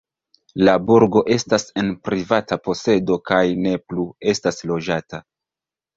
La burgo estas en privata posedo kaj ne plu estas loĝata.